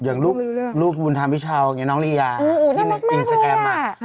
อย่างลูกบุญธรรมพิชาวน้องละเอียอินสแกรมอะ